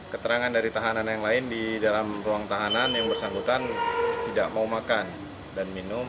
keterangan dari tahanan yang lain di dalam ruang tahanan yang bersangkutan tidak mau makan dan minum